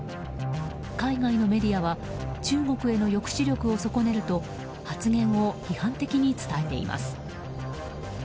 海外のメディアは中国への抑止力を損ねると発言を批判的に伝えています。